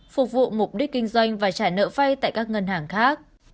phục vụ mục đích kinh doanh và trả nợ vay tại các ngân hàng khác